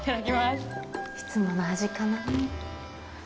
いつもの味かな？